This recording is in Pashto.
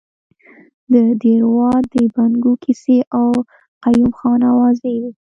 د دیراوت د بنګو کیسې او قیوم خان اوازې وې.